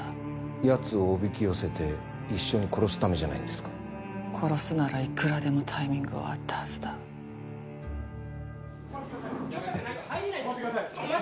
やつをおびきよせて一緒に殺すためじゃないんですか殺すならいくらでもタイミングはあったはずだ・お待ちください！